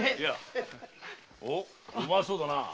うまそうだな。